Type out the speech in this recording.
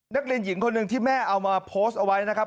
นักเรียนหญิงคนหนึ่งที่แม่เอามาโพสต์เอาไว้นะครับ